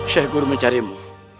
shai gurum mencarimu